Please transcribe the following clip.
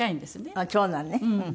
ああ長男ね。